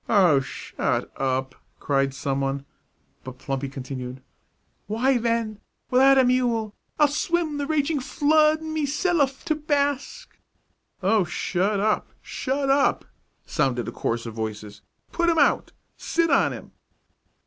"Oh, shut up!" cried some one, but Plumpy continued: "Why, then, without a mule, I'll swim the raging flood me selluf to bask " "Oh, shut up! shut up!" sounded a chorus of voices. "Put him out! Sit on him!"